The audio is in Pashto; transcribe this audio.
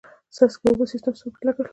د څاڅکي اوبو سیستم څومره لګښت لري؟